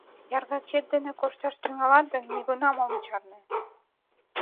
Яргакет дене кошташ тӱҥалат гын, нигунам ом чарне.